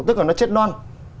tức là nó chết non